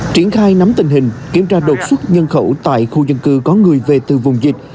triển khai nắm tình hình kiểm tra đột xuất nhân khẩu tại khu dân cư có người về từ vùng dịch